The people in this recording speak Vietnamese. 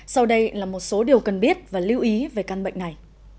sau đây là một số điều cần biết và lưu ý về căn bệnh này